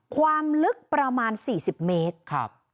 ความลึกประมาณ๔๐เมตร